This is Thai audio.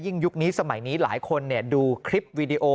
ยุคนี้สมัยนี้หลายคนดูคลิปวีดีโอ